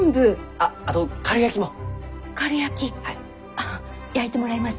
あっ焼いてもらいます。